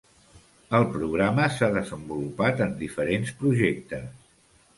El programa s'ha desenvolupat en diferents projectes.